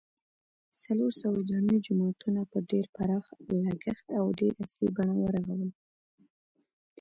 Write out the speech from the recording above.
څلورسوه جامع جوماتونه په ډېر پراخ لګښت او ډېره عصري بڼه و رغول